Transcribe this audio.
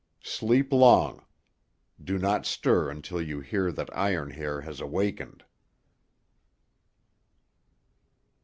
Sleep long. Do not stir until you hear that Iron Hair has awakened."